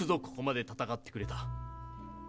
ここまで戦ってくれた。